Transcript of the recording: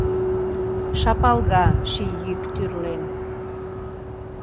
Шапалга ший йӱк тӱрлем.